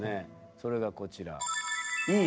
それがこちら。